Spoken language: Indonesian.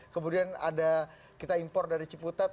kemudian ada kita impor dari ciputat